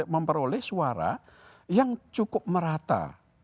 memperoleh suara yang cukup merata